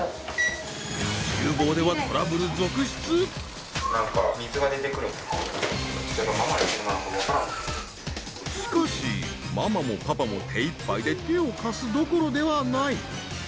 厨房ではしかしママもパパも手いっぱいで手を貸すどころではない。